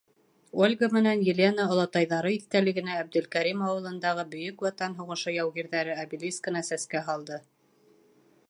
Ольга менән Елена олатайҙары иҫтәлегенә Әбделкәрим ауылындағы Бөйөк Ватан һуғышы яугирҙәре обелискына сәскә һалды.